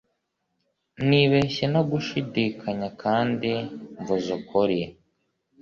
Nibeshye ntagushidikanya kandi mvuze ukuri